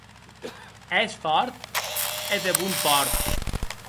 Ès fòrt e de bon pòrt.